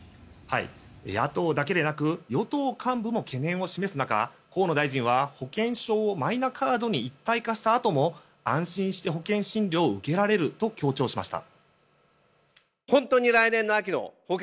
野党だけでなく与党幹部も懸念を示す中河野大臣は保険証をマイナカードに一体化したあとも安心して保険診療を受けられると強調しました。